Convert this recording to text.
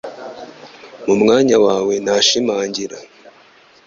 Mu mwanya wawe nashimangira